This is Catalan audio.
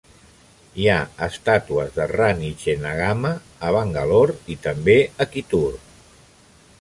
Hi ha estàtues de Rani Chennamma a Bangalore i també a Kittur.